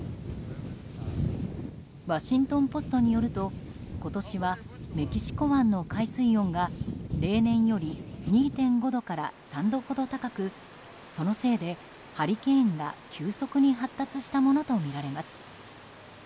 ワシントン・ポストによると今年はメキシコ湾の海水温が例年より２．５度から３度ほど高くそのせいで、ハリケーンが急速に発達したものとみられます。